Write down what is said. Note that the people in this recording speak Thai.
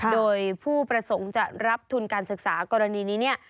โดยผู้ประสงค์จะรับทุนการศึกษากรณีนี้เนี่ย